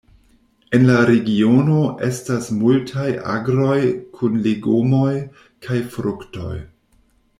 En la regiono estas multaj agroj kun legomoj kaj fruktoj.